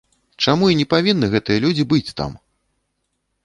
Чаму і не павінны гэтыя людзі быць там?